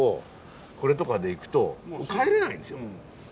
これとかで行くと帰れないんですよ。